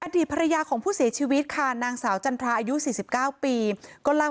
อดีตภรรยาของผู้เสียชีวิตค่ะนางสาวจันทราอายุ๔๙ปีก็เล่า